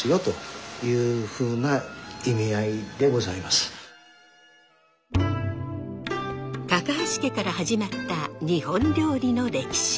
その中で高橋家から始まった日本料理の歴史。